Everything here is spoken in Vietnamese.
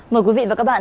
mời quý vị và các bạn